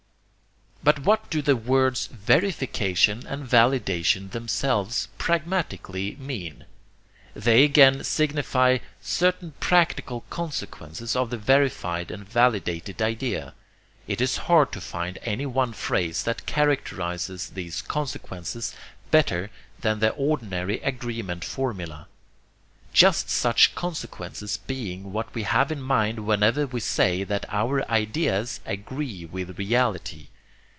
But what do the words verification and validation themselves pragmatically mean? They again signify certain practical consequences of the verified and validated idea. It is hard to find any one phrase that characterizes these consequences better than the ordinary agreement formula just such consequences being what we have in mind whenever we say that our ideas 'agree' with reality.